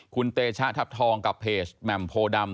คุณเตชะทัพทองกับเพจแหม่มโพดำ